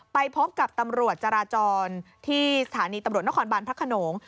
ไปพบกับตำรวจจราจรที่สถานีตำรวจนครบานพระขนง